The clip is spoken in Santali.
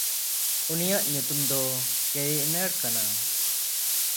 ᱩᱱᱤᱭᱟᱜ ᱧᱩᱛᱩᱢ ᱫᱚ ᱠᱮᱭᱤᱱᱲ ᱠᱟᱱᱟ᱾